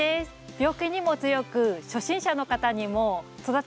病気にも強く初心者の方にも育てやすいです。